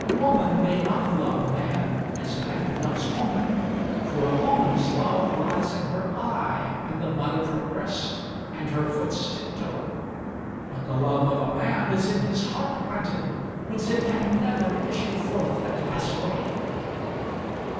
Woman may not love man as man loves woman; for a woman's love lies in her eye, and the bud of her breast, and her foot's tiptoe, but the love of a man is in his heart planted, whence it can never issue forth and pass away."